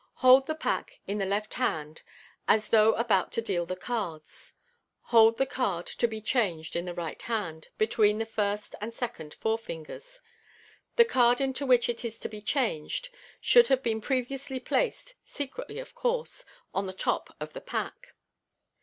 — Hold the pack in the left hand, as though about to deal the cards. Hold the card to be changed in the right hand, MODERN MAGIC. 29 between the first and second finders. (See Fig. 16.) The card into which it is to be changed should have been previously placed (secretly, of course) on the top of the pack.